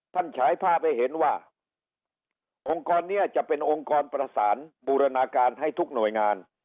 ฉายภาพให้เห็นว่าองค์กรนี้จะเป็นองค์กรประสานบูรณาการให้ทุกหน่วยงาน